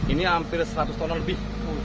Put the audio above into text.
ini hampir seratus ton lebih